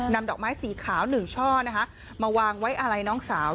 ดอกไม้สีขาว๑ช่อนะคะมาวางไว้อะไรน้องสาว